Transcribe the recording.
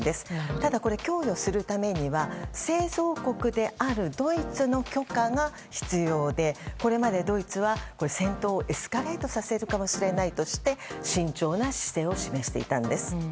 ただ、これを供与するためには製造国であるドイツの許可が必要で、これまでドイツは戦闘をエスカレートさせるかもしれないとして慎重な姿勢を示していたんです。